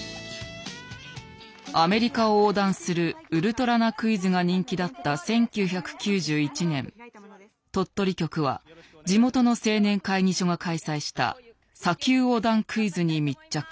アメリカを横断するウルトラなクイズが人気だった１９９１年鳥取局は地元の青年会議所が開催した「砂丘横断クイズ」に密着。